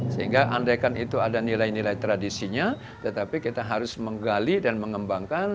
sehingga andaikan itu ada nilai nilai tradisinya tetapi kita harus menggali dan mengembangkan